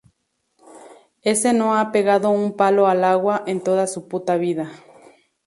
Ese no ha pegado un palo al agua en toda su puta vida.